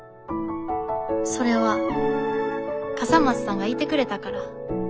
それは笠松さんがいてくれたから。